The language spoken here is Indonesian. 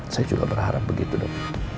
saya juga berharap begitu dok